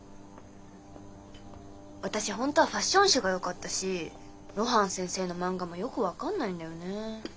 私ほんとはファッション誌がよかったし露伴先生の漫画もよく分かんないんだよねー。